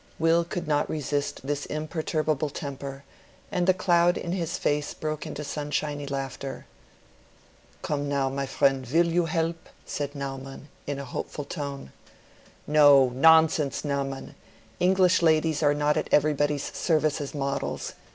Will could not resist this imperturbable temper, and the cloud in his face broke into sunshiny laughter. "Come now, my friend—you will help?" said Naumann, in a hopeful tone. "No; nonsense, Naumann! English ladies are not at everybody's service as models.